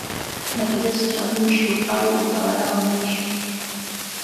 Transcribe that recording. Na kizazi cha mwisho au utawala wa mwisho